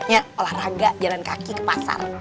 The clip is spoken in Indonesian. misalnya olahraga jalan kaki ke pasar